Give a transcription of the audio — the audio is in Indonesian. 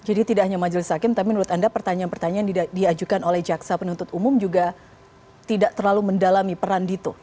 jadi tidak hanya majelis hakim tapi menurut anda pertanyaan pertanyaan yang diajukan oleh jaksa penuntut umum juga tidak terlalu mendalami peran di itu